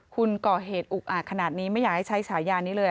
คุณก่อเหตุอุกอาจขนาดนี้ไม่อยากให้ใช้ฉายานี้เลย